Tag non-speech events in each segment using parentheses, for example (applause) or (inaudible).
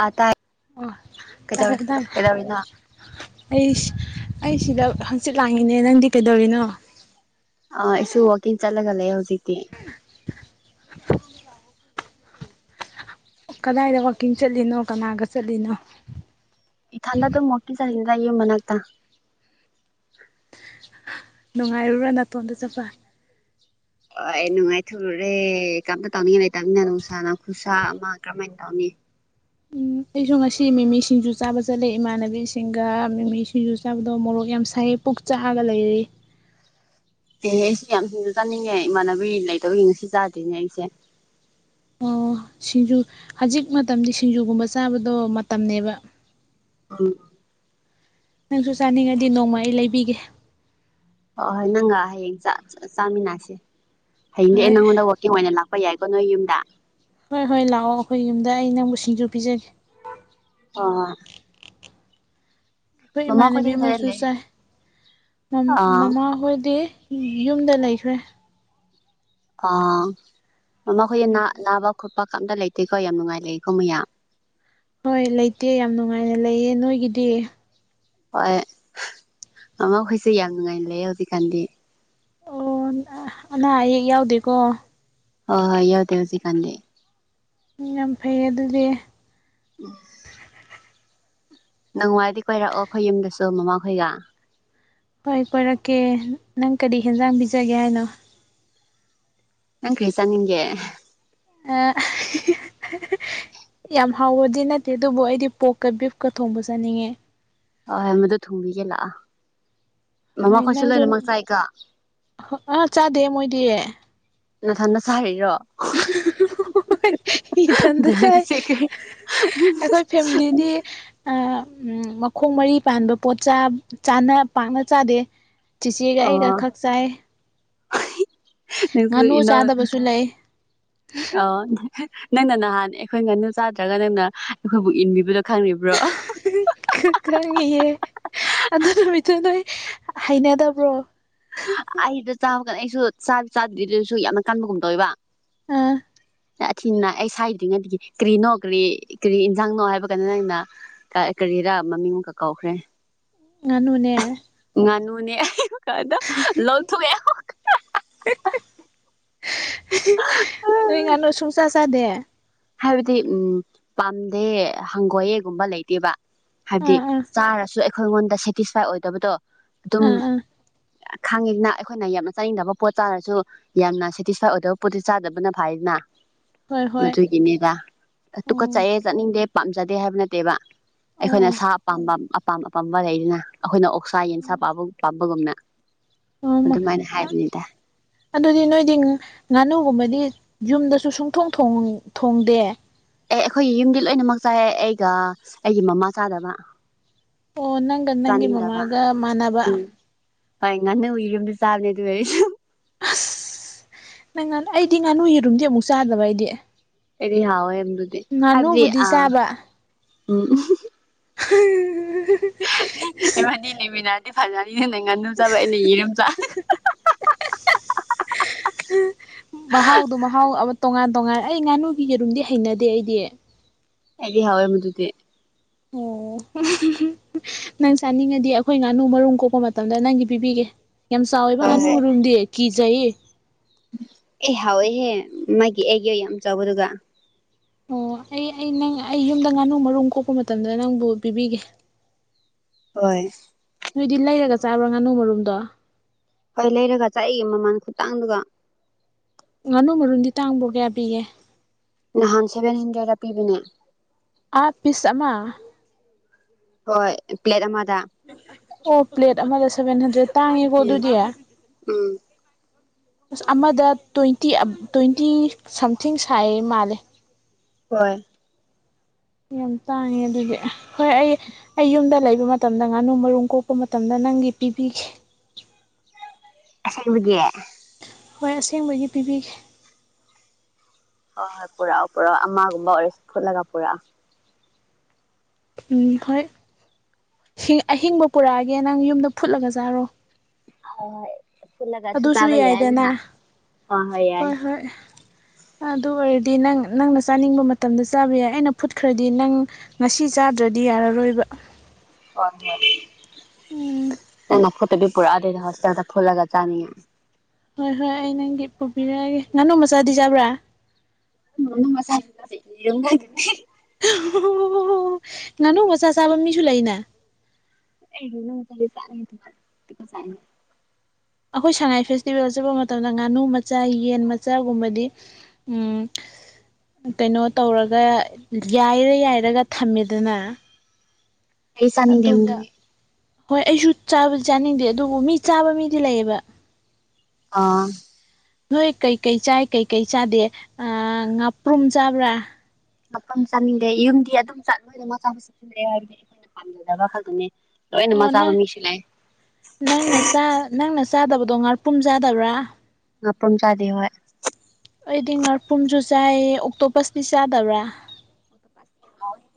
ꯑꯥ ꯇꯥꯏ ꯑꯣ ꯇꯥ ꯀꯩꯗꯧ (unintelligible) ꯀꯩꯗꯧꯔꯤꯅꯣ ꯑꯩꯁ ꯑꯩ ꯁꯤꯗ ꯍꯪꯆꯤꯠ ꯂꯥꯡꯉꯤꯅꯦ ꯅꯪꯗꯤ ꯀꯩꯗꯧꯔꯤꯅꯣ ꯑ ꯑꯩꯁꯨ ꯋꯥꯛꯀꯤꯡ ꯆꯠꯂꯒ ꯂꯩ ꯍꯧꯖꯤꯛꯇꯤ (inaudible) ꯀꯗꯥꯏꯗ ꯋꯥꯛꯀꯤꯡ ꯆꯠꯂꯤꯅꯣ ꯀꯅꯥꯒ ꯆꯠꯂꯤꯅꯣ ꯏꯊꯟꯗ ꯗꯨꯝ ꯋꯥꯀꯤ ꯆꯜꯂꯤꯅꯤꯗ ꯌꯨꯝ ꯃꯅꯥꯛꯇ ꯅꯨꯡꯉꯥꯏꯔꯨꯔꯥ ꯅꯥꯇꯣꯟꯗ ꯆꯠꯄ ꯑꯣ ꯑꯩ ꯅꯨꯡꯉꯥꯏꯊꯨꯔꯨꯔꯦ ꯀꯝꯇ ꯇꯧꯅꯤꯡꯉ ꯂꯩꯇꯕꯃꯤꯅ ꯅꯨꯡꯁꯥꯅ ꯈꯨꯠꯁꯥ ꯑꯃ ꯀꯔꯝꯍꯥꯏꯅ ꯇꯧꯅꯤ ꯎꯝ ꯑꯩꯁꯨ ꯉꯁꯤ ꯃꯤꯃꯤ ꯁꯤꯡꯖꯨ ꯆꯥꯕ ꯆꯠꯂꯦ ꯏꯃꯥꯟꯅꯕꯤꯁꯤꯡꯒ ꯃꯤꯃꯤ ꯁꯤꯡꯖꯨ ꯆꯥꯕꯗꯣ ꯃꯣꯔꯣꯛ ꯌꯥꯝ ꯁꯥꯏ ꯄꯨꯛ ꯆꯥꯑꯒ ꯂꯩꯔꯦ ꯏꯅꯦ ꯑꯩꯁꯦ ꯌꯥꯝ ꯁꯤꯡꯖꯨ ꯆꯥꯅꯤꯡꯉꯦ ꯏꯃꯥꯟꯅꯕꯤ ꯂꯩꯇꯕꯒꯤ ꯉꯁꯤ ꯆꯥꯗ꯭ꯔꯤꯅꯦ ꯑꯩꯁꯦ ꯑꯣ ꯁꯤꯡꯖꯨ ꯍꯧꯖꯤꯛ ꯃꯇꯝꯗꯤ ꯁꯤꯡꯖꯨꯒꯨꯝꯕ ꯆꯥꯕꯗꯣ ꯃꯇꯝꯅꯦꯕ ꯎꯝ ꯅꯪꯁꯨ ꯆꯥꯅꯤꯡꯉꯗꯤ ꯅꯣꯡꯃ ꯑꯩ ꯂꯩꯕꯤꯒꯦ ꯑꯣꯍꯣꯏ ꯅꯪꯒ ꯍꯌꯦꯡ ꯆꯥ ꯆꯥꯃꯤꯟꯅꯁꯦ ꯍꯌꯦꯡꯗꯤ ꯑꯩ ꯍꯣꯏ ꯅꯪꯉꯣꯟꯗ ꯋꯥꯛ (unintelligible) ꯑꯣꯏꯅ ꯂꯥꯛꯄ ꯌꯥꯏꯀꯣ ꯅꯣꯏ ꯌꯨꯝꯗ ꯍꯣꯏ ꯍꯣꯏ ꯂꯥꯛꯑꯣ ꯑꯩꯈꯣꯏ ꯌꯨꯝꯗ ꯑꯩ ꯅꯪꯕꯨ ꯁꯤꯡꯖꯨ ꯄꯤꯖ (unintelligible) ꯑꯥꯍ ꯑꯩꯈꯣꯏ ꯃꯃꯥ ꯈꯣꯏꯗꯤ ꯏꯃꯥꯟꯅꯕꯤ ꯀꯗꯥꯏ ꯑꯃꯁꯨ ꯂꯩ ꯆꯥꯏ ꯃ ꯑꯥ ꯃꯃꯥꯍꯣꯏꯗꯤ ꯌꯨꯝꯗ ꯂꯩꯈ꯭ꯔꯦ ꯑ ꯃꯃꯥꯈꯣꯏꯅ ꯅꯥ ꯅꯥꯕ ꯈꯣꯠꯄ ꯀꯝꯇ ꯂꯩꯇꯦꯀꯣ ꯌꯥꯝ ꯅꯨꯡꯉꯥꯏ ꯂꯩꯀꯣ ꯃꯌꯥ ꯍꯣꯏ ꯂꯩꯇꯦ ꯌꯥꯝ ꯅꯨꯡꯉꯥꯏꯅ ꯂꯩꯌꯦ ꯅꯣꯏꯒꯤꯗꯤ ꯍꯣꯏ ꯃꯃꯥꯈꯣꯏꯁꯦ ꯌꯥꯝ ꯅꯨꯡꯉꯥꯏꯅ ꯂꯩꯌ‌ꯦ ꯍꯧꯖꯤꯛꯀꯥꯟꯗꯤ ꯑꯣ ꯑ ꯑꯅꯥ ꯑꯌꯦꯛ ꯌꯥꯎꯗꯦꯀꯣ ꯍ‌ꯣ ꯍꯣꯏ ꯌꯥꯎꯗꯦ ꯍꯧꯖꯤꯛꯀꯥꯟꯗꯤ ꯎꯝ ꯌꯥꯝ ꯐꯩ ꯑꯗꯨꯗꯤ ꯎꯝ ꯅ‌ꯣꯡꯋꯥꯏꯗꯤ ꯀꯣꯏꯔꯑꯣ ꯑꯩꯈꯣꯏ ꯌꯨꯝꯗꯁꯨ ꯃꯃꯥꯈꯣꯏꯒ ꯍꯣꯏ ꯀꯣꯏꯔꯛꯀꯦ ꯅꯪ ꯀꯔꯤ ꯍꯦꯟꯖꯥꯡ ꯄꯤꯖꯒꯦ ꯍꯥꯏꯅꯣ ꯅꯪ ꯀ꯭ꯔꯤ ꯆꯥꯅꯤꯡꯒ‌ꯦ ꯑꯦ ꯌꯥꯝ ꯍꯥꯎꯕꯗꯤ ꯅꯠꯇꯦ ꯑꯗꯨꯕꯨ ꯑꯩꯗꯤ ꯄꯣꯛꯀ ꯕꯤꯐꯀ ꯊꯣꯡꯕ ꯆꯠꯅꯤꯡꯉꯦ ꯍ‌ꯣꯍ‌ꯣꯏ ꯃꯗꯨ ꯊꯣꯡꯕꯤꯒꯦ ꯂꯥꯑꯣ ꯍꯣꯏ ꯅꯪꯁꯨ ꯆꯥꯏꯀꯣ ꯑꯥ ꯆꯥꯗꯦ ꯃꯣꯏꯗꯤ ꯅꯥꯊꯟꯗ ꯆꯥꯔꯤꯔꯣ ꯍ ꯏꯊꯟꯗ ꯆꯥꯏ ꯅꯪꯁꯦ ꯀꯔꯤ ꯑꯩꯈꯣꯏ ꯐꯦꯃꯤꯂꯤꯗꯤ ꯑ ꯎꯝ ꯃꯈꯣꯡ ꯃꯔꯤ ꯄꯥꯟꯕ ꯄꯣꯠ ꯆꯥ ꯆꯥꯅ ꯄꯥꯛꯅ ꯆꯥꯗꯦ ꯆꯤꯆꯦꯒ ꯑꯣ ꯑꯩꯒ ꯈꯛ ꯆꯥꯏ ꯅꯪꯁꯨ ꯉꯥꯅꯨ ꯏꯟꯅꯧ ꯆꯥꯗꯕꯁꯨ ꯂꯩ ꯑꯣ ꯅꯪꯅ ꯅꯍꯥꯟ ꯑꯩꯈꯣꯏ ꯉꯥꯅꯨ ꯆꯥꯗ꯭ꯔꯒ ꯅꯪꯅ ꯑꯩꯈꯣꯏꯕꯨ ꯏꯟꯕꯤꯕꯗꯣ ꯈꯪꯔꯤꯕ꯭ꯔꯣ ꯈꯪ ꯈꯪꯉꯤꯍꯦ ꯑꯗꯨ ꯅꯨꯃꯤꯠꯇ‌ꯣ ꯅꯣꯏ ꯍꯩꯅꯗꯕ꯭ꯔꯣ ꯑꯩꯗ‌ꯣ ꯆꯥꯕꯀꯟ ꯑꯩꯁꯨ ꯆꯥꯗꯤ ꯆꯥꯗ꯭ꯔꯤ ꯗꯨꯏꯁꯨ ꯌꯥꯝꯅ ꯀꯟꯕꯒꯨꯝ ꯇꯧꯋ‌ꯦꯕ ꯑꯥ ꯑꯊꯤꯅ ꯑꯩ ꯁꯥꯏꯗ꯭ꯔꯤꯉꯩꯗꯒꯤ ꯀꯔꯤꯅꯣ ꯀꯔꯤ ꯀꯔꯤ ꯏꯟꯖꯥꯡꯅꯣ ꯍꯥꯏꯕ ꯀꯟꯗ ꯅ‌ꯣꯏꯅ ꯀ ꯀꯔꯤꯔꯥ ꯃꯃꯤꯡ ꯃꯨꯛꯀ ꯀꯥꯎꯈ꯭ꯔꯦ ꯉꯅꯨꯅꯦ ꯉꯅꯨꯅꯦ (unintelligible) (inaudible) ꯅꯣꯏ ꯉꯅꯨ ꯁꯨꯡꯆꯥ ꯆꯥꯗꯦ ꯍꯥꯏꯕꯗꯤ ꯎꯝ ꯄꯥꯝꯗꯦ ꯍꯪꯒꯣꯏꯌꯦꯒꯨꯝꯕ ꯂꯩꯇꯦꯕ ꯍꯥꯏꯕꯗꯤ ꯑꯥ ꯑꯥ ꯆꯥꯔꯁꯨ ꯑꯩꯈꯣꯏꯉꯣꯟꯗ ꯁꯦꯇꯤꯁꯐꯥꯏ ꯑꯣꯏꯗꯕꯗꯣ ꯑꯗꯨꯝ ꯑꯥ ꯑꯥ ꯑ ꯈꯪꯉꯤꯗꯅ ꯑꯩꯈꯣꯏꯅ ꯌꯥꯝꯅ ꯆꯥꯅꯤꯡꯗꯕ ꯄꯣꯠ ꯆꯥꯔꯁꯨ ꯌꯥꯝꯅ ꯁꯦꯇꯤꯁꯐꯥꯏ ꯑꯣꯏꯗꯕ ꯄꯣꯠꯇꯤ ꯆꯥꯗꯕꯅ ꯐꯥꯏꯗꯅ ꯍꯣꯏ ꯍꯣꯏ (unintelligible) ꯅꯤꯒ ꯑ ꯇꯨꯀꯠ ꯑꯣ ꯆꯩꯑꯦ ꯆꯠꯅꯤꯡꯗꯦ ꯄꯥꯝꯖꯗꯦ ꯍꯥꯏꯕ ꯅꯠꯇꯦꯕ ꯑꯩꯈꯣꯏꯅ ꯑꯣ ꯁꯥ ꯑꯄꯥꯝꯕ ꯑꯄꯥꯝ ꯑꯄꯥꯝꯕ ꯂꯩꯗꯅ ꯑꯈꯣꯏꯅ ꯑꯣ ꯑꯣꯛꯁꯥ ꯌꯦꯟꯁꯥ ꯄꯥꯕ ꯆꯥꯕꯒꯨꯝꯅ ꯑꯣ ꯑꯗꯨꯃꯥꯏꯅ ꯑꯣ ꯍꯥꯏꯕꯅꯤꯗꯥ ꯑꯗꯨꯗꯤ ꯅꯣꯏꯗꯤ ꯉꯥꯅꯨꯒꯨꯝꯕꯗꯤ ꯌꯨꯝꯗꯁꯨ ꯁꯨꯡꯊꯣꯡ ꯊ‌ꯣꯡ ꯊꯣꯡꯗꯦ ꯑꯦ ꯑꯩꯈꯣꯏꯒꯤ ꯌꯨꯝꯗꯤ ꯂꯣꯏꯅꯃꯛ ꯆꯥꯏ ꯑꯩꯒ ꯑꯩꯒꯤ ꯃꯃꯥ ꯆꯥꯗꯕ ꯑꯣ ꯅꯪꯒ ꯅꯪꯒꯤ ꯆꯥꯅꯤꯡꯗꯕ ꯃꯃꯥꯒ ꯃꯥꯟꯅꯕ ꯍꯣꯢ ꯉꯟꯅꯨꯒꯤ ꯑꯦꯌꯨꯝꯗꯤ ꯆꯥꯕꯅꯦ ꯑꯗꯨ ꯑꯣꯢꯔꯁꯨ ꯑꯁ ꯅꯪ ꯉꯥꯅꯨ ꯑꯩꯗꯤ ꯉꯥꯅꯨ ꯌꯦꯔꯨꯝꯗꯤ ꯑꯃꯨꯛ ꯆꯥꯗꯕ ꯑꯩꯗꯤ ꯑꯩꯗꯤ ꯍꯥꯎꯋꯦ ꯑꯗꯨꯗꯤ ꯍꯥꯏꯕꯗꯤ ꯉꯥꯅꯨꯕꯨꯗꯤ ꯑ ꯆꯥꯕ ꯎꯝ ꯎ (unintelligible) ꯏꯕꯥꯅꯣ ꯂꯩꯃꯤꯟꯅꯔꯗꯤ ꯐꯖꯅꯤꯅꯦ ꯅꯪꯅ ꯉꯥꯅꯨ ꯆꯕꯥ ꯑꯩꯅ ꯑꯦꯔꯨꯝ ꯆꯕꯥ ꯃꯍꯥꯎꯗꯣ ꯃꯍꯥꯎ ꯑꯃ ꯇꯣꯉꯥꯟ ꯇꯣꯉꯥꯟ ꯑꯩ ꯉꯥꯅꯨꯒꯤ ꯌꯦꯔꯨꯝꯗꯤ ꯍꯩꯅꯗꯦ ꯑꯩꯗꯤ ꯑꯩꯗꯤ ꯍꯧꯋꯦ ꯃꯗꯨꯗꯤ ꯑꯣ ꯅꯪ ꯆꯥꯅꯤꯡꯉꯗꯤ ꯑꯩꯈꯣꯏ ꯉꯥꯅꯨ ꯃꯔꯨꯝ ꯀꯣꯛꯄ ꯃꯇꯝꯗ ꯅꯪꯒꯤ ꯄꯤꯕꯤꯒꯦ ꯌꯥꯝ ꯆꯥꯎꯋꯦꯕ ꯍꯣꯏ ꯉꯥꯅꯨ ꯍꯣꯏ ꯃꯔꯨꯝꯗꯤ ꯀꯤꯖꯩ ꯑꯦ ꯍꯥꯎꯋꯦꯍꯦ ꯃꯥꯒꯤ ꯑꯦꯛꯇꯣ ꯌꯥꯝ ꯆꯥꯎꯕꯗꯨꯒ ꯑꯣ ꯑꯩ ꯑꯩ ꯅꯪ ꯑꯩ ꯌꯨꯝꯗ ꯉꯥꯅꯨ ꯃꯔꯨꯝ ꯀꯣꯛꯄ ꯃꯇꯝꯗ ꯅꯪꯕꯨ ꯄꯤꯕꯤꯒꯦ ꯍꯣꯏ ꯅꯣꯏꯗꯤ ꯂꯩꯔꯒ ꯆꯥꯕ꯭ꯔꯣ ꯉꯥꯅꯨ ꯃꯔꯨꯝꯗꯣ ꯍꯣꯏ ꯂꯩꯔꯒ ꯆꯥꯢꯌꯦ ꯃꯃꯜ ꯈꯨꯇꯥꯡꯗꯨꯒ ꯉꯥꯅꯨ ꯃꯔꯨꯝꯗꯤ ꯇꯥꯡꯕ꯭ꯔꯣ ꯀꯌꯥ ꯄꯤꯒꯦ ꯅꯍꯥꯟ ꯁꯚꯦꯟ ꯍꯟꯗ꯭ꯔꯦꯗꯇ ꯄꯤꯕꯅꯦ ꯑꯥ ꯄꯤꯁ ꯑꯃ ꯍꯣꯏ ꯄ꯭ꯂꯦꯠ ꯑꯃꯗ ꯑꯣ ꯄ꯭ꯂꯦꯠ ꯑꯃꯗ ꯁꯚꯦꯟ ꯍꯟꯗ꯭ꯔꯦꯠ ꯇꯥꯡꯉꯤꯀꯣ ꯑꯗꯨꯗꯤ ꯎꯝ ꯑꯁ ꯑꯃꯗ ꯇ꯭ꯋꯦꯟꯇꯤ ꯇ꯭ꯋꯦꯟꯇꯤ ꯁꯝꯊꯤꯡ ꯁꯥꯏ ꯃꯥꯜꯂꯦ ꯍꯣꯏ ꯌꯥꯝ ꯇꯥꯡꯉꯤ ꯑꯗꯨꯗꯤ ꯍꯣꯏ ꯑꯩ ꯑꯩ ꯌꯨꯝꯗ ꯂꯩꯕ ꯃꯇꯝꯗ ꯉꯥꯅꯨ ꯃꯔꯨꯝ ꯀꯣꯛꯄ ꯃꯇꯝꯗ ꯅꯪꯒꯤ ꯄꯤꯕꯤꯒꯦ ꯑꯁꯦꯡꯕꯒꯤ ꯍꯣꯏ ꯑꯁꯦꯡꯕꯒꯤ ꯄꯤꯕꯤꯒꯦ ꯍꯣꯏ ꯍꯣꯏ ꯄꯨꯔꯛꯑꯣ ꯄꯨꯔꯛꯑꯣ ꯑꯃꯒꯨꯝꯕ ꯑꯣꯏꯔꯁꯨ ꯐꯨꯠꯂꯒ ꯄꯨꯔꯛꯑꯣ ꯎꯝ ꯍꯣꯏ ꯑꯍꯤꯡꯕ ꯄꯨꯔꯛꯑꯒꯦ ꯅꯪ ꯌꯨꯝꯗ ꯐꯨꯠꯂꯒ ꯆꯥꯔꯣ ꯍꯣꯏ ꯍꯣꯏ ꯐꯨꯜꯂꯒꯁꯨ ꯆꯥꯕ ꯌꯥꯏꯗꯅ ꯍꯣ ꯍꯣꯏ ꯌꯥꯏ ꯑꯗꯨ ꯑꯣꯏꯔꯗꯤ ꯅꯪ ꯅꯪꯅ ꯆꯥꯅꯤꯡꯕ ꯃꯇꯝꯗ ꯆꯥꯕ ꯌꯥꯏ ꯑꯩꯅ ꯐꯨꯠꯈ꯭ꯔꯗꯤ ꯅꯪ ꯉꯁꯤ ꯆꯥꯗ꯭ꯔꯗꯤ ꯌꯥꯔꯔꯣꯏꯕ ꯍꯣꯢ ꯍꯣꯏ ꯎꯝ ꯅꯪꯅ ꯐꯨꯠꯇꯕꯤ ꯄꯨꯔꯛꯑꯗꯤ ꯑꯩꯅ ꯍꯣꯢꯇꯦꯜꯗ ꯐꯨꯜꯂꯒ ꯆꯥꯅꯤꯡꯉꯦ ꯍꯣꯏ ꯍꯣꯏ ꯑꯩ ꯅꯪꯒꯤ ꯄꯨꯕꯤꯔꯛꯑꯒꯦ ꯉꯥꯅꯨ ꯃꯆꯥꯗꯤ ꯆꯥꯕ꯭ꯔꯥ ꯉꯥꯅꯨ ꯃꯆꯥꯗꯤ ꯆꯥꯗꯦ ꯌꯦꯔꯨꯝꯈꯥꯛꯇꯅꯦ ꯑꯣ ꯑꯣ ꯑꯣ ꯉꯥꯅꯨ ꯃꯆꯥ ꯆꯕꯥ ꯃꯥꯁꯨ ꯂꯩꯅꯦ ꯑꯩꯅ ꯉꯥꯅꯨꯗꯤ (unintelligible) (unintelligible) ꯑꯩꯈꯣꯏ ꯁꯉꯥꯏ ꯐꯦꯁꯇꯤꯚꯦꯜ ꯆꯠꯄ ꯃꯇꯝꯗ ꯉꯥꯅꯨ ꯃꯆꯥ ꯌꯦꯟ ꯃꯆꯥꯒꯨꯝꯕꯗꯤ ꯎꯝ ꯀꯩꯅꯣ ꯇꯧꯔꯒ ꯌꯥꯏꯔ ꯌꯥꯏꯔꯒ ꯊꯝꯃꯦꯗꯅ ꯑꯩ ꯆꯥꯅꯤꯡꯗꯦ ꯑꯗꯨꯒ ꯑꯗꯨꯒꯤ ꯍꯣꯏ ꯑꯩꯁꯨ ꯆꯥꯕꯗꯤ ꯆꯥꯅꯤꯡꯗꯦ ꯑꯗꯨꯕꯨ ꯃꯤ ꯆꯥꯕ ꯃꯤꯗꯤ ꯂꯩꯌꯦꯕ ꯑꯥ ꯅꯣꯏ ꯀꯩꯀꯩ ꯆꯥꯏ ꯀꯩꯀꯩ ꯆꯥꯗꯦ ꯉꯥꯄ꯭ꯔꯨꯝ ꯆꯥꯕ꯭ꯔꯥ ꯉꯥꯄ꯭ꯔꯨꯝ ꯆꯥꯅꯤꯡꯗꯦ ꯌꯨꯝꯗꯤ ꯑꯗꯨꯝ (unintelligible) (unintelligible) ꯄꯝꯖꯕ ꯈꯥꯛꯇꯅꯦ ꯂꯣꯏꯅ ꯑꯣ ꯃꯥ ꯆꯥꯥꯕ ꯅꯪ ꯃꯤꯁꯨ ꯂꯩ ꯅꯪꯅ ꯅꯪꯅ ꯆꯥꯗꯕꯗꯣ ꯉꯥꯔꯄꯨꯝ ꯆꯥꯗꯕ꯭ꯔꯥ ꯉꯥꯄ꯭ꯨꯔꯨꯝ ꯆꯥꯗꯦ ꯍꯣꯏ ꯑꯩꯗꯤ ꯉꯥꯔꯄꯨꯝꯁꯨ ꯆꯥꯏꯌꯦ ꯑꯣꯛꯇꯣ ꯄꯁꯇꯤ ꯆꯥꯗꯕ꯭ꯔꯥ (unintelligible)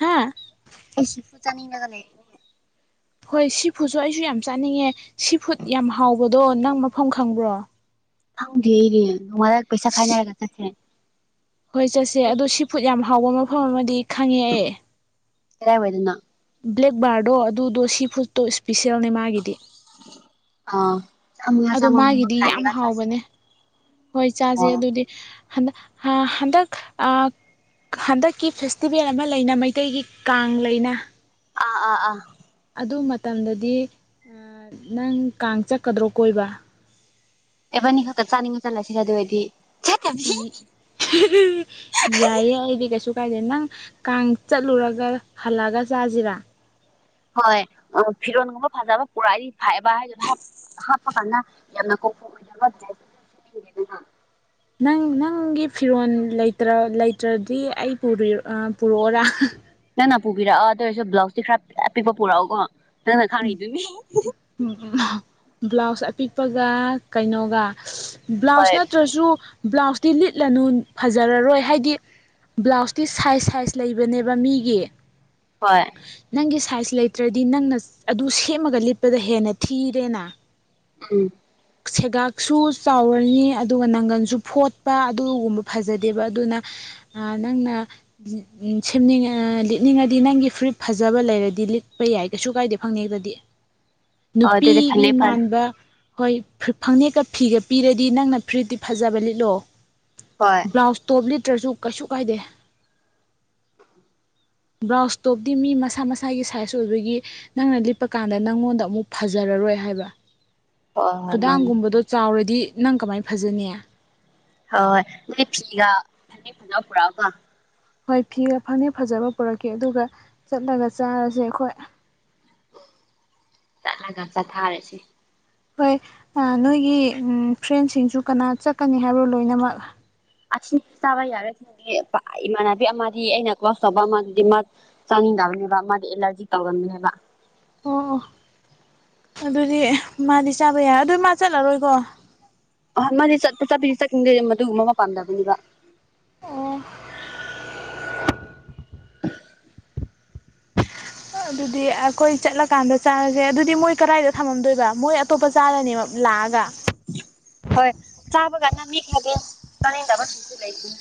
ꯍꯥ ꯑꯩ ꯁꯤꯐꯨꯠ ꯆꯥꯅꯤꯡꯉꯒ ꯂꯩꯔꯤꯅꯦ ꯍꯣꯏ ꯁꯤ ꯐꯨꯠꯁꯨ ꯑꯩꯁꯨ ꯌꯥꯝ ꯆꯥꯅꯤꯡꯉꯦ ꯁꯤ ꯐꯨꯠ ꯌꯥꯝ ꯍꯥꯎꯕꯗꯣ ꯅꯪ ꯃꯐꯝ ꯈꯪꯕ꯭ꯔꯣ ꯈꯪꯗꯦ ꯑꯩꯗꯤ ꯅꯣꯡꯉꯥꯜꯂꯒ ꯄꯩꯁꯥ ꯈꯥꯏꯅꯔꯒ ꯆꯠꯁꯦ ꯍꯣꯏ ꯆꯠꯁꯦ ꯑꯗꯣ ꯁꯤ ꯐꯨꯠ ꯌꯥꯝ ꯍꯥꯎꯕ ꯃꯐꯝ ꯑꯃꯗꯤ ꯈꯪꯉꯦ ꯑꯩ ꯀꯔꯥꯏꯋꯥꯏꯗꯅꯣ ꯕ꯭ꯂꯦꯛꯕꯥꯔꯗꯣ ꯑꯗꯨꯗꯣ ꯁꯤ ꯐꯨꯗꯠꯇꯣ ꯏꯁꯄꯤꯁꯦꯜꯅꯦ ꯃꯥꯒꯤꯗꯤ ꯑꯥ ꯆꯥꯝꯃꯉꯥ ꯑꯗꯣ ꯆꯥꯝꯃꯒꯨꯝꯕ ꯃꯥꯒꯤꯗꯤ ꯌꯥꯝ ꯈꯥꯏꯔꯒ ꯆꯥꯁꯦ ꯍꯥꯎꯕꯅꯦ ꯍꯣꯏ ꯆꯥꯖꯦ ꯑꯥ ꯑꯗꯨꯗꯤ ꯍꯟꯗꯥ ꯍꯥ ꯍꯟꯗꯛ ꯑꯥ ꯍꯟꯗꯛꯀꯤ ꯐꯦꯁꯇꯤꯚꯦꯜ ꯑꯃ ꯂꯩꯅ ꯃꯩꯇꯩꯒꯤ ꯀꯥꯡ ꯂꯩꯅ ꯑꯥ ꯑꯥ ꯑꯥ ꯑꯗꯨ ꯃꯇꯝꯗꯗꯤ ꯑꯥ ꯅꯪ ꯀꯥꯡ ꯆꯠꯀꯥꯗ꯭ꯔꯣ ꯀꯣꯏꯕ ꯑꯦꯕꯅꯤ ꯈꯛꯇꯥ ꯆꯥꯅꯤꯡꯉꯥ ꯆꯠꯂꯁꯤ ꯑꯗꯨ ꯑꯣꯏꯗꯤ ꯆꯠꯇꯕꯤ ꯎꯝ ꯌꯥꯏꯌꯦ ꯑꯩꯗꯤ ꯀꯩꯁꯨ ꯀꯥꯏꯗꯦ ꯅꯪ ꯀꯥꯡ ꯆꯠꯂꯨꯔꯒ ꯍꯜꯂꯛꯒ ꯆꯥꯖꯤꯔꯥ ꯍꯣꯏ ꯑꯥ ꯐꯤꯔꯣꯟꯒꯨꯝꯕ ꯐꯖꯥꯕ ꯄꯨꯔꯥꯗꯤ ꯐꯥꯏꯕ ꯍꯥꯏ (unintelligible) ꯍꯥꯞꯄ ꯀꯥꯟꯅ ꯌꯥꯝꯅ ꯀꯣꯝꯐꯣ ꯑꯣꯏꯗꯕ (inaudible) ꯅꯪ ꯅꯪꯒꯤ ꯐꯤꯔꯣꯜ ꯂꯩꯇ꯭ꯔꯥ ꯂꯩꯇ꯭ꯔꯥꯗꯤ ꯑꯩ ꯄꯨꯔꯤ ꯑꯥ ꯄꯨꯔꯛꯑꯣꯔꯥ ꯅꯪꯅ ꯄꯨꯕꯤꯔꯛꯑꯣ ꯑꯗꯨ ꯑꯣꯏꯔꯁꯨ ꯕ꯭ꯂꯥꯎꯁꯇꯤ ꯈꯔ ꯑꯄꯤꯛꯄ ꯄꯨꯔꯛꯑꯣꯀꯣ ꯅꯪꯅ ꯈꯪꯉꯤ ꯗꯨꯅꯤ (unintelligible) ꯕ꯭ꯂꯥꯎꯁ ꯑꯄꯤꯛꯄꯒꯥ ꯀꯩꯅꯣꯒꯥ ꯕ꯭ꯂꯥꯎꯁ ꯍꯣꯏ ꯅꯠꯇ꯭ꯔꯥꯁꯨ ꯕ꯭ꯂꯥꯎꯁꯇꯤ ꯂꯤꯠꯂꯅꯨ ꯐꯖꯔꯔꯣꯏ ꯍꯥꯏꯗꯤ ꯕ꯭ꯂꯥꯎꯁꯇꯤ ꯁꯥꯏꯖ ꯁꯥꯏꯖ ꯂꯩꯕꯅꯦꯕ ꯃꯤꯒꯤ ꯍꯣꯏ ꯅꯪꯒꯤ ꯁꯥꯏꯖ ꯂꯩꯇ꯭ꯔꯥꯗꯤ ꯅꯪꯅ ꯑꯗꯨ ꯁꯦꯝꯃꯒ ꯂꯤꯠꯄꯗ ꯍꯦꯟꯅ ꯊꯤꯔꯦꯅ ꯎꯝ ꯁꯦꯒꯥꯛꯁꯨ ꯆꯥꯎꯔꯅꯤ ꯑꯗꯨꯒꯥ ꯅꯪꯒꯜꯁꯨ ꯐꯣꯠꯄ ꯑꯗꯨꯒꯨꯝꯕ ꯐꯖꯗꯦꯕ ꯑꯗꯨꯅ ꯑꯥ ꯅꯪꯅ ꯁꯦꯝꯅꯤꯡꯉꯥ ꯂꯤꯠꯅꯤꯡꯉꯗꯤ ꯅꯪꯒꯤ ꯐꯨꯔꯤꯠ ꯐꯖꯕ ꯂꯩꯔꯗꯤ ꯂꯤꯠꯄ ꯌꯥꯏ ꯀꯩꯁꯨ ꯀꯥꯏꯗꯦ ꯈꯪꯅꯩꯕꯗꯤ ꯍꯣꯏ ꯑꯗꯨꯗꯤ ꯅꯨꯄꯤꯒꯤ ꯐꯅꯦꯛ ꯐ ꯃꯥꯟꯕ ꯍꯣꯏ ꯐꯥ ꯐꯅꯦꯛꯀꯥ ꯐꯤꯒꯥ ꯄꯤꯔꯗꯤ ꯅꯪꯅ ꯐ꯭ꯔꯤꯠꯇꯤ ꯐꯖꯕ ꯂꯤꯠꯂꯣ ꯍꯣꯏ ꯕ꯭ꯂꯥꯎꯁ ꯇꯣꯞ ꯂꯤꯇ꯭ꯔꯥꯁꯨ ꯀꯩꯁꯨ ꯀꯥꯏꯗꯦ ꯕ꯭ꯔꯥꯎꯁ ꯇꯣꯞꯇꯤ ꯃꯤ ꯃꯁꯥ ꯃꯁꯥꯒꯤ ꯁꯥꯏꯖ ꯑꯣꯏꯕꯒꯤ ꯅꯪꯅ ꯂꯤꯞꯄ ꯀꯥꯟꯗ ꯅꯪꯉꯣꯟꯗ ꯑꯃꯨꯛ ꯐꯖꯔꯔꯣꯏ ꯍꯥꯏꯕ ꯍꯣꯏ ꯍꯣꯏ ꯃꯥꯅꯤ ꯈꯨꯗꯥꯡꯒꯨꯝꯕꯗꯣ ꯆꯥꯎꯔꯗꯤ ꯅꯪ ꯀꯃꯥꯏ ꯐꯖꯅꯤ ꯍꯣꯏ ꯍꯣꯏ ꯑꯗꯨꯗꯤ ꯐꯤꯒꯥ ꯐꯅꯦꯛ ꯐꯖꯥ ꯄꯨꯔꯥꯀꯣ ꯍꯣꯏ ꯐꯤꯒꯥ ꯐꯅꯦꯛ ꯐꯖꯕ ꯄꯨꯔꯛꯀꯦ ꯑꯗꯨꯒꯥ ꯆꯠꯂꯒꯥ ꯆꯥꯔꯁꯦ ꯑꯩꯈꯣꯏ ꯆꯠꯂꯒꯥ ꯆꯥꯊꯥꯔꯁꯤ ꯍꯣꯏ ꯑꯥ ꯅꯣꯏꯒꯤ ꯎꯝ ꯐ꯭ꯔꯦꯟꯁꯤꯡꯁꯨ ꯀꯅꯥ ꯆꯠꯀꯥꯅꯤ ꯍꯥꯏꯕ꯭ꯔꯣ ꯂꯣꯏꯅꯃꯛ ꯑꯁꯤ ꯆꯥꯕ ꯌꯥꯔꯣꯏ ꯁꯤꯝꯗꯤ ꯏꯃꯥꯟꯅꯕꯤ ꯑꯃꯗꯤ ꯑꯩꯅ ꯀ꯭ꯂꯣꯁ ꯇꯧꯕ ꯑꯃꯗꯨꯗꯤ ꯃꯥ ꯆꯥꯅꯤꯡꯗꯕꯅꯦꯕ ꯃꯥꯗꯤ ꯑꯦꯂꯔꯖꯤ ꯇꯧꯒꯟꯕꯅꯦꯕ ꯑꯣ ꯑꫭ ꯑꯗꯨꯗꯤ ꯃꯥꯗꯤ ꯆꯥꯕ ꯌꯥꯏ ꯑꯗꯨ ꯃꯥ ꯆꯠꯂꯔꯣꯏꯀꯣ ꯑ ꯃꯥꯗꯤ ꯆꯠꯄ ꯆꯠꯄꯤ ꯆꯠꯈꯤꯅꯤꯡꯗꯦ ꯃꯗꯨꯒꯨꯝꯕ ꯑꯃ ꯄꯥꯝꯗꯕꯅꯦꯕ ꯑꯣ ꯑꯗꯨꯗꯤ ꯑꯩꯈꯣꯏ ꯆꯠꯂꯀꯥꯟꯗ ꯆꯥꯔꯖꯦ ꯑꯗꯨꯗꯤ ꯃꯣꯏ ꯀꯔꯥꯏꯗ ꯊꯝꯃꯝꯗꯣꯏꯕ ꯃꯣꯏ ꯑꯇꯣꯞꯄ ꯆꯥꯔꯅꯦꯕ ꯂꯥꯛꯑꯒ ꯍꯣꯏ ꯆꯥꯕ ꯀꯥꯟꯅ ꯃꯤ ꯊꯥꯗꯦ ꯆꯥꯅꯤꯡꯗꯕꯁꯨ ꯂꯩꯕꯅꯦ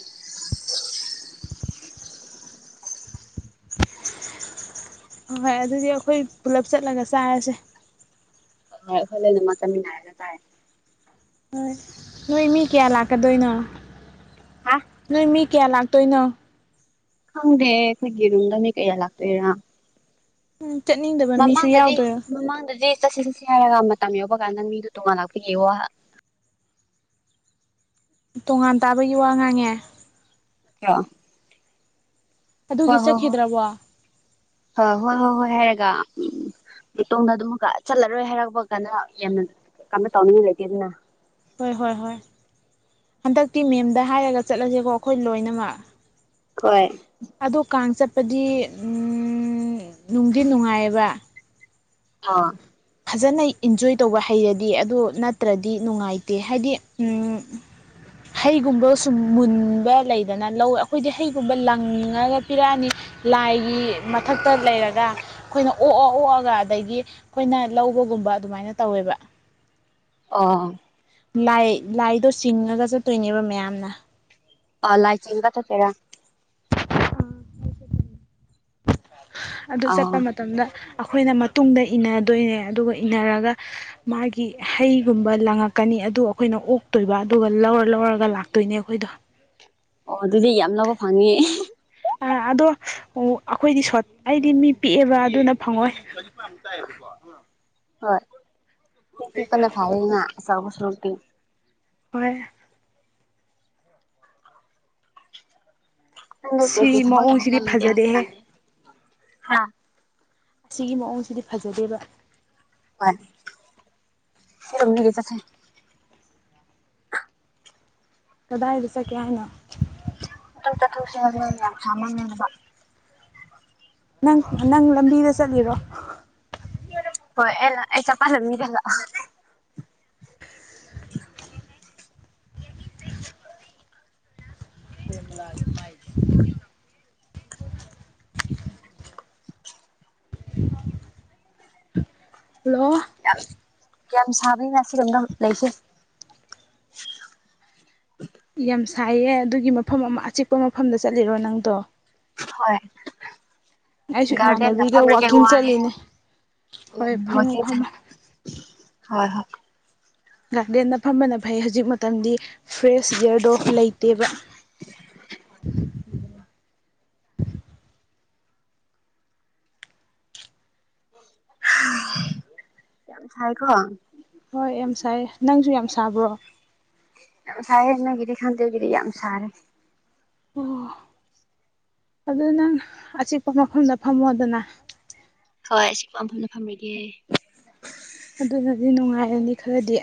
ꯍꯣꯏ ꯍꯣꯏ ꯑꯗꯨꯗꯤ ꯑꯩꯈꯣꯏ ꯄꯨꯂꯞ ꯆꯠꯂꯒ ꯆꯥꯔꯁꯦ ꯍꯣꯏ ꯍꯣꯏꯂꯣꯏꯅ ꯃꯆꯟꯅꯥꯏꯔꯒ ꯆꯥꯏ ꯍꯣꯏ ꯅꯣꯏ ꯃꯤ ꯀꯌꯥ ꯂꯥꯛꯀꯗꯣꯏꯅꯣ ꯍꯥ ꯅꯣꯏ ꯃꯤ ꯀꯌꯥ ꯂꯥꯛꯇꯣꯏꯅꯣ ꯈꯪꯗꯦ ꯑꯩꯈꯣꯏꯒꯤꯔꯨꯝꯗꯅꯤ ꯀꯌꯥ ꯂꯥꯛꯇꯣꯏꯔꯥ ꯎꯝ ꯆꯠꯅꯤꯡꯗꯕ ꯃꯤꯁꯨ ꯃꯃꯥꯡꯗꯗꯤ ꯌꯥꯎꯗꯣꯏ ꯃꯃꯥꯡꯗꯗꯤ ꯆꯠꯁꯤ ꯆꯠꯁꯤ ꯍꯥꯏꯔꯒ ꯃꯇꯝ ꯌꯧꯕ ꯀꯥꯟꯗ ꯃꯤꯗꯨ ꯇꯣꯉꯥꯟꯂꯥꯛꯄꯒꯤ ꯋꯥ ꯇꯣꯉꯥꯟ ꯇꯥꯕꯒꯤ ꯋꯥ ꯉꯥꯡꯉꯦ ꯑ ꯍꯣ ꯑꯗꯨꯒꯤ ꯍꯣ ꯍꯣꯏ ꯆꯠꯈꯤꯗ꯭ꯔꯕꯣ ꯑ ꯍꯣꯏ ꯍꯣꯏ ꯍꯣꯏ ꯍꯥꯏꯔꯒ ꯎꯝ ꯏꯇꯣꯝꯗ ꯑꯗꯨꯃꯛꯀ ꯆꯠꯂꯔꯣꯏ ꯍꯥꯏꯔꯛꯄ ꯀꯥꯟꯗ ꯌꯥꯝꯅ ꯀꯩꯅꯣ ꯇꯧꯅ ꯃꯤ ꯂꯩꯇꯦ ꯑꯗꯨꯅ ꯍꯣꯏ ꯍꯣꯏ ꯍꯣꯏ ꯍꯟꯗꯛꯇꯤ ꯃꯦꯝꯗ ꯍꯥꯏꯔꯒ ꯆꯠꯂꯖꯤꯀꯣ ꯑꯩꯈꯣꯏ ꯂꯣꯏꯅꯃꯛ ꯍꯣꯏ ꯑꯗꯨ ꯀꯥꯡ ꯆꯠꯄꯗꯤ ꯅꯨꯡꯗꯤ ꯅꯨꯡꯉꯥꯏꯌꯦꯕ ꯑ ꯐꯖꯅ ꯏꯟꯖꯣꯏ ꯇꯧꯕ ꯍꯩꯔꯗꯤ ꯑꯗꯨ ꯅꯠꯇ꯭ꯔꯗꯤ ꯅꯨꯡꯉꯥꯏꯇꯦ ꯍꯥꯏꯗꯤ ꯍꯩꯒꯨꯝꯕ ꯁꯨꯝ ꯃꯨꯟꯕ ꯂꯩꯗꯅ ꯂꯧ ꯑꯩꯈꯣꯏꯗꯤ ꯍꯩꯒꯨꯝꯕ ꯂꯪꯉꯒ ꯄꯤꯔꯛꯑꯅꯤ ꯂꯥꯏꯒꯤ ꯃꯊꯛꯇ ꯂꯩꯔꯒ ꯑꯩꯈꯣꯏꯅ ꯑꯣꯛꯑ ꯑꯣꯛꯑꯒ ꯑꯗꯒꯤ ꯑꯩꯈꯣꯏꯅ ꯂꯧꯕꯒꯨꯝꯕ ꯑꯗꯨꯃꯥꯏꯅ ꯇꯧꯋꯦꯕ ꯑ ꯂꯥꯏ ꯂꯥꯏꯗꯣ ꯆꯤꯡꯉꯒ ꯆꯠꯇꯣꯏꯅꯦꯕ ꯃꯌꯥꯝꯅ ꯑ ꯂꯥꯏꯆꯤꯡꯉꯒ ꯆꯠꯇꫭꯏꯔꯥ ꯎꯝ ꯑꯗꯨ ꯆꯠꯄ ꯑꯥ ꯃꯇꯝꯗ ꯑꯩꯈꯣꯏꯅ ꯃꯇꯨꯡꯗ ꯏꯟꯅꯗꯣꯏꯅꯦ ꯑꯗꯨꯒ ꯏꯟꯅꯔꯒ ꯃꯥꯒꯤ ꯍꯩꯒꯨꯝꯕ ꯂꯪꯉꯛꯀꯅꯤ ꯑꯗꯨ ꯑꯩꯈꯣꯏꯅ ꯑꯣꯛꯇꯣꯏꯕ ꯑꯗꯨꯒ ꯂꯧꯔ ꯂꯧꯔꯒ ꯂꯥꯛꯇꯣꯏꯅꯦ ꯑꯩꯈꯣꯏꯗꯣ ꯑꯣ ꯑꯗꯨꯗꯤ ꯌꯥꯝ ꯂꯧꯕ ꯐꯪꯅꯤ ꯑꯥ ꯑꯗꯣ ꯑꯩꯈꯣꯏꯗꯤ ꯁꯣꯠ ꯑꯩꯗꯤ ꯃꯤ ꯄꯤꯛꯑꯦꯕ ꯑꯗꯨꯅ ꯐꯪꯉꯣꯏ (inaudible) ꯆꯥꯎꯕ ꯁꯔꯨꯛꯇꯤ ꯍꯣꯏ ꯁꯤ ꯊ ꯃꯑꯣꯡꯁꯤꯗꯤ ꯐꯖꯗꯦꯍꯦ ꯀꯥꯟ (inaudible) ꯑꯁꯤꯒꯤ ꯃꯑꯣꯡꯁꯤꯗꯤ ꯐꯖꯗꯦꯕ ꯍꫭꯏ (inaudible) ꯀꯗꯥꯏꯗ ꯆꯠꯀꯦ ꯍꯥꯏꯅꯣ ꯈꯤꯇꯪ ꯆꯠꯊꫭꯛꯁꯤ ꯍꯥꯏꯕꯅꯤ ꯌꯥꯝ ꯁꯥꯃꯟꯕ ꯅꯪ ꯅꯪ ꯂꯝꯕꯤꯗ ꯆꯠꯂꯤꯔꯣ ꯍꯣꯏ ꯑꯩꯅ ꯑꯩ (unintelligible) (inaudible) (inaudible) ꯍꯜꯂꯣ ꯌꯥꯝ ꯌꯥꯝ ꯁꯥꯕꯅꯤ ꯉꯁꯤꯔꯣꯝꯗ ꯂꯩꯁꯤ ꯌꯥꯝ ꯁꯥꯏꯌꯦ ꯑꯗꯨꯒꯤ ꯃꯐꯝ ꯑꯃ ꯑꯆꯤꯛꯄ ꯃꯐꯝꯗ ꯆꯠꯂꯤꯔꯣ ꯅꯪꯗꯣ ꯍꯣꯏ ꯑꯩꯁꯨ ꯒꯥꯔꯗꯦꯟꯗ ꯐꯝ ꯏꯃꯥꯟꯅꯕꯤꯒ ꯂꯩꯕꯒꯤ ꯋꯥꯛꯀꯤꯡ ꯋꯥꯔꯦ ꯆꯠꯂꯤꯅꯦ ꯎꯝ ꯍꯣꯏ ꯐꯝꯃꯣ ꯋꯥꯀꯤꯡ ꯆꯠ ꯐꯝꯃꯣ ꯍꯣꯏ ꯍꯣꯏ ꯒꯥꯔꯗꯦꯟꯗ ꯐꯝꯕꯅ ꯐꯩ ꯍꯧꯖꯤꯛ ꯃꯇꯝꯗꯤ ꯐ꯭ꯔꯦꯁ ꯏꯌꯥꯔꯗꯣ ꯂꯩꯇꯦꯕ (inaudible) ꯌꯥꯝ ꯁꯥꯏ ꯀꯣ ꯍꯣꯏ ꯌꯥꯝ ꯁꯥꯌꯦ ꯅꯪꯁꯨ ꯌꯥꯝ ꯁꯥꯕ꯭ꯔꯣ ꯌꯥꯝ ꯁꯥꯏꯌꯦ ꯅꯪꯒꯤꯗꯤ ꯈꯪꯗꯦ ꯑꯩꯒꯤꯗꯤ ꯌꯥꯝ ꯁꯥꯥꯔꯦ ꯑꯣ ꯑꯗꯨ ꯅꯪ ꯑꯆꯤꯛꯄ ꯃꯐꯝꯗ ꯐꯝꯃꯣꯗꯅ ꯍꯣꯏ ꯑꯆꯤꯛꯄ ꯃꯐꯝꯗ ꯐꯝꯃꯤꯒꯦ ꯑꯗꯨꯅꯗꯤ ꯅꯨꯡꯉꯥꯏꯔꯅꯤ ꯈꯔꯗꯤ